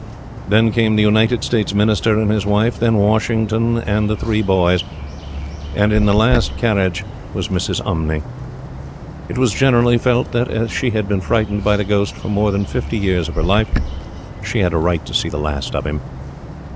Then came the United States Minister and his wife, then Washington and the three boys, and in the last carriage was Mrs. Umney. It was generally felt that, as she had been frightened by the ghost for more than fifty years of her life, she had a right to see the last of him.